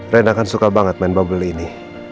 reina kan suka banget main bubble ini